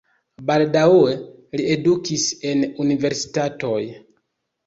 Baldaŭe li edukis en universitatoj.